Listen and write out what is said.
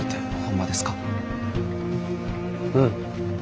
うん。